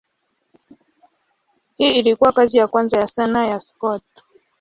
Hii ilikuwa kazi ya kwanza ya sanaa ya Scott.